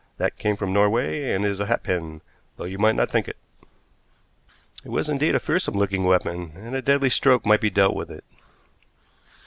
That came from Norway and is a hatpin, though you might not think it." It was indeed a fearsome looking weapon, and a deadly stroke might be dealt with it.